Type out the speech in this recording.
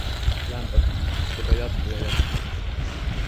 Lämpö, joka jatkui ja jatkui.